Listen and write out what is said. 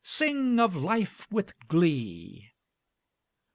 Sing of life with glee!